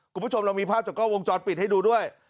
คุณผู้ชมเรามีภาพจากกล้องวงจรปิดให้ดูด้วย